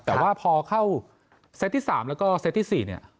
แต่ว่าพอเข้าแซทที่สามแล้วก็แซทที่สี่เนี่ย